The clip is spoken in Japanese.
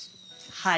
はい。